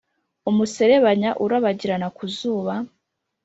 umuserebanya urabagirana ku zuba,